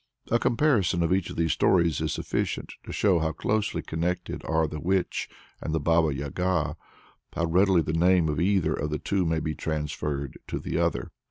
A comparison of these three stories is sufficient to show how closely connected are the Witch and the Baba Yaga, how readily the name of either of the two may be transferred to the other.